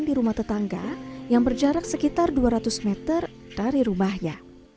di rumah tetangga yang berjarak sekitar dua ratus meter dari rumahnya